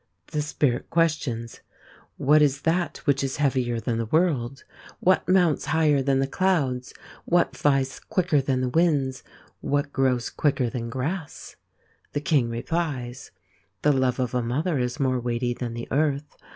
The Spirit questions : What is that which is heavier than the world ? What mounts higher than the clouds ? What flies quicker than the winds ? What grows quicker than grass ? The King replies : The love of a mother is more weighty than the earth.